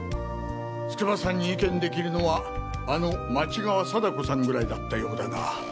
筑波さんに意見できるのはあの町側貞子さんぐらいだったようだが。